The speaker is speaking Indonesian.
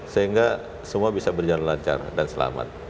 sehingga semua bisa berjalan lancar dan selamat